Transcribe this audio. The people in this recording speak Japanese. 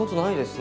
ね